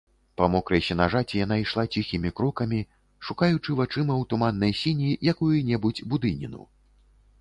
Па мокрай сенажаці яна ішла ціхімі крокамі, шукаючы вачыма ў туманнай сіні якую-небудзь будыніну.